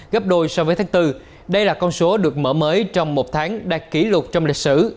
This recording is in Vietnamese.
gấp đôi so với tháng bốn đây là con số được mở mới trong một tháng đạt kỷ lục trong lịch sử